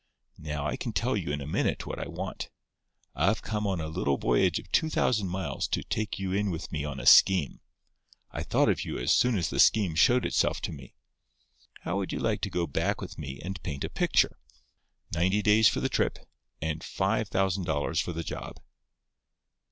Now, I can tell you in a minute what I want. I've come on a little voyage of two thousand miles to take you in with me on a scheme. I thought of you as soon as the scheme showed itself to me. How would you like to go back with me and paint a picture? Ninety days for the trip, and five thousand dollars for the job."